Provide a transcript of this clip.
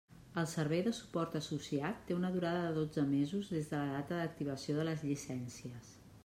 El servei de suport associat té una durada de dotze mesos des de la data d'activació de les llicències.